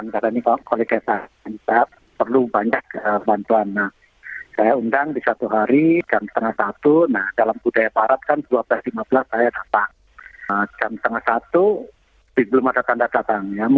jadi waktu itu kan dukur selipin nanya saya